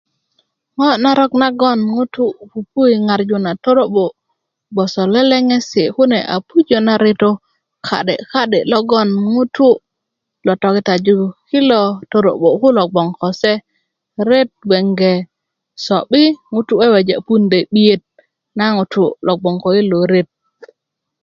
ŋo narok nagoŋ ŋutú pupu i ŋarju na torob́o gboso lelekesi kune a pujä na reto katekate logoŋ ŋutú lo tokitaju kilo toro'bo kulo gboŋ ko se ret gbeŋe so'bi ŋutú weweja pundä i 'biyet na ŋutú lo gboŋ ko i lo ret